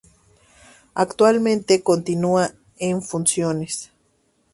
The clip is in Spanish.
Actualmente continúa en funciones.